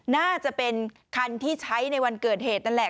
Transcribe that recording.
น่าจะเป็นคันที่ใช้ในวันเกิดเหตุนั่นแหละ